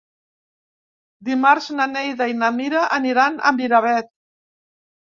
Dimarts na Neida i na Mira aniran a Miravet.